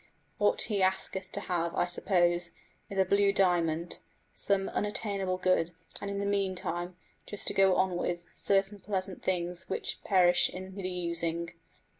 What he asketh to have, I suppose, is a blue diamond some unattainable good; and in the meantime, just to go on with, certain pleasant things which perish in the using.